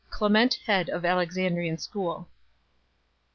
Clement head of Alexandrian School.